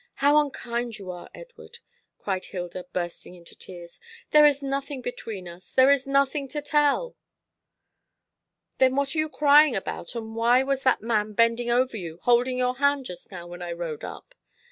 How unkind you are, Edward!" cried Hilda, bursting into tears. "There is nothing between us; there is nothing to tell." "Then what are you crying about, and why was that man bending over you, holding your hand just now when I rode up?